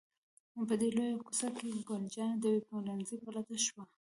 په دې لویه کوڅه کې، ګل جانه د یوه پلورنځي په لټه شوه.